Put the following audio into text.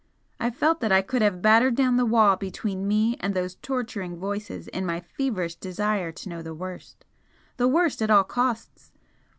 I felt that I could have battered down the wall between me and those torturing voices in my feverish desire to know the worst the worst at all costs!